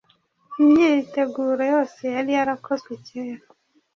Imyiteguro yose yari yarakozwe kera